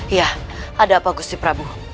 iya ada apa gusti prabu